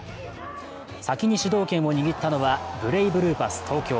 先に主導権を握ったのはブレイブルーパス東京。